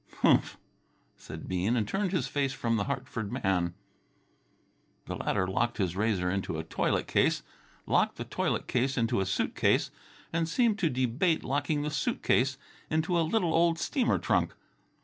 "Humph!" said Bean and turned his face from the Hartford man. The latter locked his razor into a toilet case, locked the toilet case into a suit case, and seemed to debate locking the suit case into a little old steamer trunk.